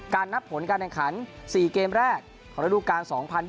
นับผลการแข่งขัน๔เกมแรกของระดูการ๒๐๒๐